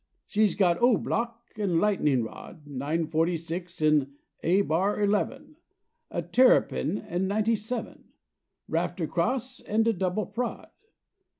"She's got O Block an' Lightnin' Rod, Nine Forty Six an' A Bar Eleven, T Terrapin an' Ninety Seven, Rafter Cross an' de Double Prod.